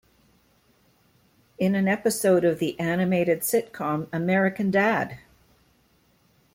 In an episode of the animated sitcom American Dad!